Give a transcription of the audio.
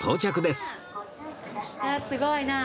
すごいなあ。